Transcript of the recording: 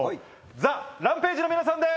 ＴＨＥＲＡＭＰＡＧＥの皆さんです！